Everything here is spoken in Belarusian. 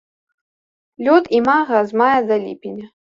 Лёт імага з мая да ліпеня.